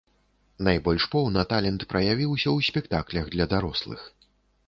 Найбольш поўна талент праявіўся ў спектаклях для дарослых.